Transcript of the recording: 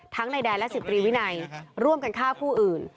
ทั้งในแดนและ๑๓วินัยร่วมกันฆ่าคู่อื่น